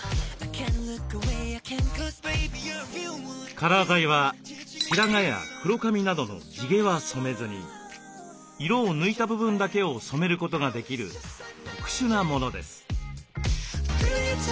カラー剤は白髪や黒髪などの地毛は染めずに色を抜いた部分だけを染めることができる特殊なものです。